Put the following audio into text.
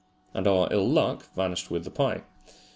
And our ill luck vanished with the pie.